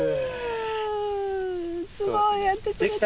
すごい！やってくれた。